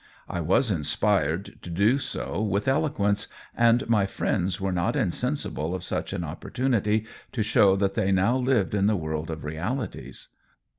I was no COLLABORATION inspired to do so \iith eloquence, and my friends were not insensible of such an op portunity to show that they now lived in the world of realities.